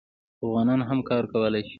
افغانان هم کار کولی شي.